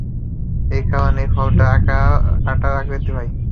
এ কারণেই ফলটা কাঁটার আকৃতি পায়।